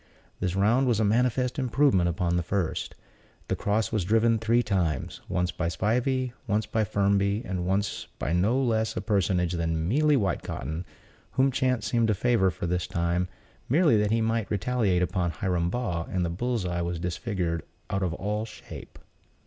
This round was a manifest improvement upon the first. The cross was driven three times: once by Spivey, once by Firmby, and once by no less a personage than Mealy Whitecotton, whom chance seemed to favor for this time, merely that he might retaliate upon Hiram Baugh; and the bull's eye was disfigured out of all shape.